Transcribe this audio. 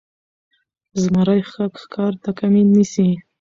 زمری ښکار ته کمین نیسي.